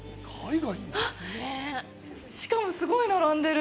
あっ、しかもすごい並んでる。